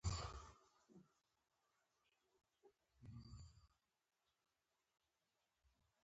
یوه مهمه برخه د دولتي ملکیتونو خصوصي کول وو.